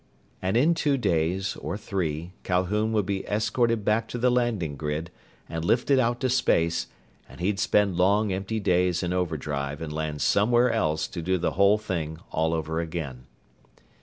And in two days, or three, Calhoun would be escorted back to the landing grid, and lifted out to space, and he'd spend long empty days in overdrive and land somewhere else to do the whole thing all over again.